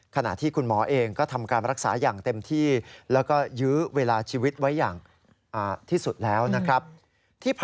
ขณะที่คุณหมอเองก็ทำการรักษาอย่างเต็มที่